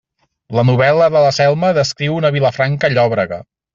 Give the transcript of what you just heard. La novel·la de la Selma descriu una Vilafranca llòbrega.